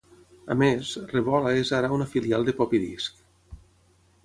A més, RevOla és ara una filial de PoppyDisc.